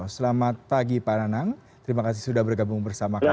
selamat pagi pak nanang terima kasih sudah bergabung bersama kami